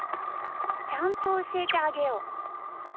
ちゃんとおしえてあげよう。